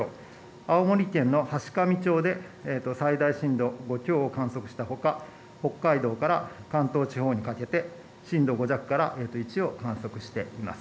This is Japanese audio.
青森県の階上町で最大震度５強を観測したほか、北海道から関東地方にかけて、震度５弱から１を観測しています。